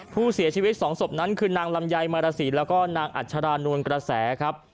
ผู้เสียชีวิต๒สบนั้นคือนางลำไยมรศีแล้วก็อัจฉารณวลกระแส